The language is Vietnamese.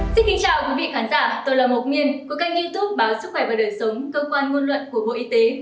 xin kính chào quý vị khán giả tôi là mộc nguyên của kênh youtube báo sức khỏe và đời sống cơ quan ngôn luận của bộ y tế